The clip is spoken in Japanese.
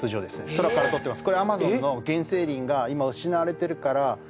空から撮ってます